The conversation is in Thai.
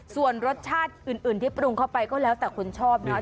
ส่วนรสชาติอื่นที่ปรุงเข้าไปก็แล้วแต่คนชอบนะ